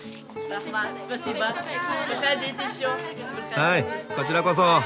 はいこちらこそ。